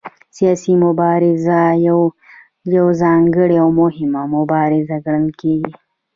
سیاسي مبارزه یوه ځانګړې او مهمه مبارزه ګڼل کېږي